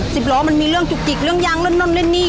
สิบล้อมันมีเรื่องจุกจิกเรื่องยางเรื่องนั่นนี่